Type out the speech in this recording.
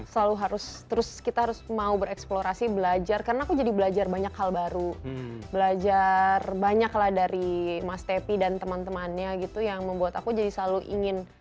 selalu harus terus kita harus mau bereksplorasi belajar karena aku jadi belajar banyak hal baru belajar banyak lah dari mas tepi dan teman temannya gitu yang membuat aku jadi selalu ingin